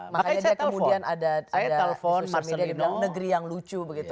makanya dia kemudian ada di sosial media bilang negeri yang lucu begitu